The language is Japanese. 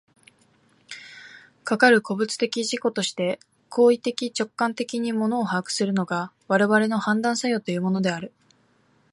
かかる個物的自己として行為的直観的に物を把握するのが、我々の判断作用というものである。